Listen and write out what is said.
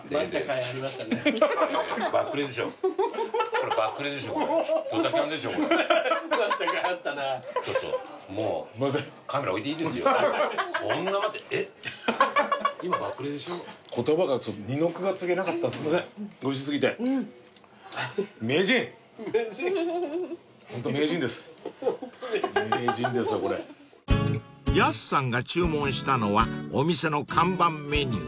［やすさんが注文したのはお店の看板メニューステーキ］